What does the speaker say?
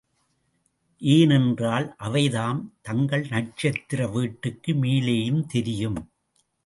ஏனென்றால், அவைதாம், தங்கள் நட்சத்திர வீட்டுக்கு மேலேயும் தெரியும்.